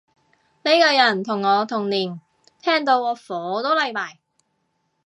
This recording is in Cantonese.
呢個人同我同年，聽到我火都嚟埋